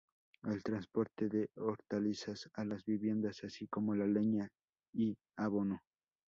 El transporte de hortalizas a las viviendas, así como de leña y abono.